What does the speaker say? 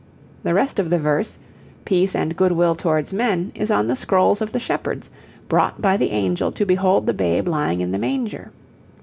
The rest of the verse, 'Peace and goodwill towards men' is on the scrolls of the shepherds, brought by the angel to behold the Babe lying in the manger.